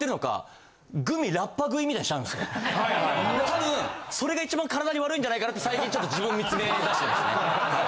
多分それが一番体に悪いんじゃないかなって最近ちょっと自分見つめだしてるんですね。